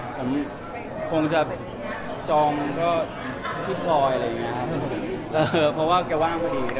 ผมคงจะจองเทพลอยเพราะว่าแกว้างพอดี